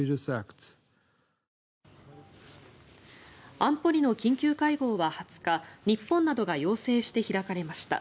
安保理の緊急会合は２０日日本などが要請して開かれました。